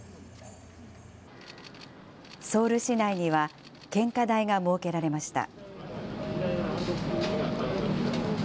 ソウル市内には、献花台が設けられました。